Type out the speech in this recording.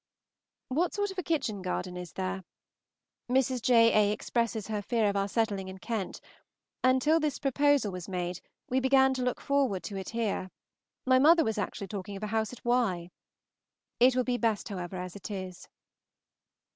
What sort of a kitchen garden is there? Mrs. J. A. expresses her fear of our settling in Kent, and, till this proposal was made, we began to look forward to it here; my mother was actually talking of a house at Wye. It will be best, however, as it is.